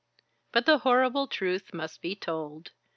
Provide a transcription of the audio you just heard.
But the horrible truth must be told.